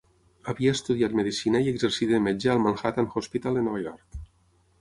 Havia estudiat medicina i exercí de metge al Manhattan Hospital de Nova York.